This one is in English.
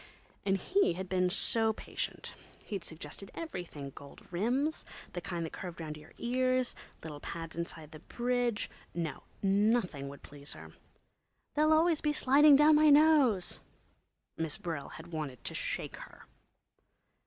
And he'd been so patient. He'd suggested everything—gold rims, the kind that curved round your ears, little pads inside the bridge. No, nothing would please her. "They'll always be sliding down my nose!" Miss Brill had wanted to shake her.